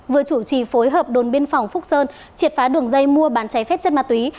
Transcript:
vừa chủ trì phối hợp đồn biên phòng phúc sơn triệt phá đường dây mua bán cháy phép chất ma túy